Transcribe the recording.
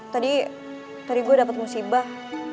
tadi tadi gua dapet musibah